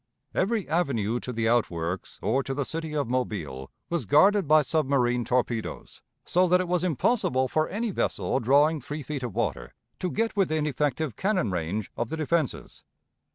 Every avenue to the outworks or to the city of Mobile was guarded by submarine torpedoes, so that it was impossible for any vessel drawing three feet of water to get within effective cannon range of the defenses.